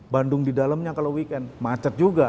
bandung di dalamnya kalau weekend macet juga